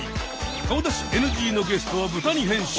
顔出しＮＧのゲストはブタに変身。